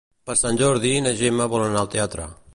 Per Sant Jordi na Gemma vol anar al teatre.